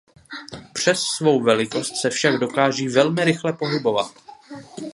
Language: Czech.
Přes svou velikost se však dokáží velmi rychle pohybovat.